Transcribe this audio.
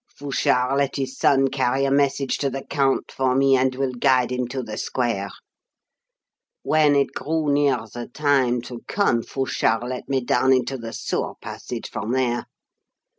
Fouchard let his son carry a message to the count for me, and will guide him to the square. When it grew near the time to come, Fouchard let me down into the sewer passage from there.